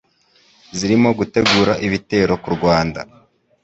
zirimo gutegura ibitero ku Rwanda